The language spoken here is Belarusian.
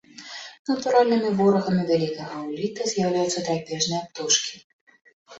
Натуральнымі ворагамі вялікага уліта з'яўляюцца драпежныя птушкі.